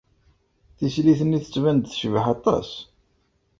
Tislit-nni tettban-d tecbeḥ aṭas.